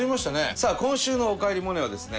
さあ今週の「おかえりモネ」はですね